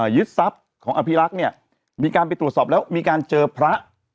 ยึดทรัพย์ของอภิรักษ์เนี่ยมีการไปตรวจสอบแล้วมีการเจอพระ